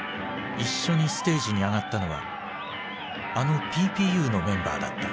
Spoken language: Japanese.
一緒にステージに上がったのはあのＰＰＵのメンバーだった。